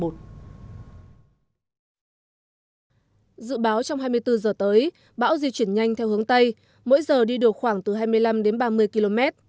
dự báo trong hai mươi bốn giờ tới bão di chuyển nhanh theo hướng tây mỗi giờ đi được khoảng từ hai mươi năm đến ba mươi km